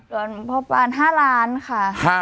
พ่อปาน๕ล้านค่ะ